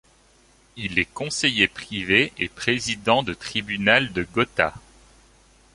Il est conseiller privé et président de tribunal de Gotha.